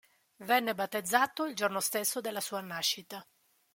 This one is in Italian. Venne battezzato il giorno stesso della sua nascita.